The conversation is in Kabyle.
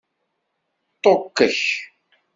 Ṭukkek.